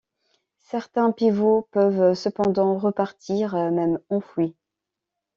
Certains pivots peuvent cependant repartir, même enfouis.